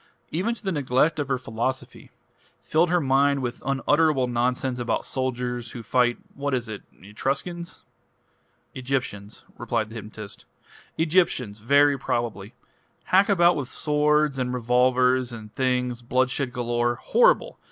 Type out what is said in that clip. Even to the neglect of her philosophy. Filled her mind with unutterable nonsense about soldiers who fight what is it? Etruscans?" "Egyptians." "Egyptians very probably. Hack about with swords and revolvers and things bloodshed galore horrible!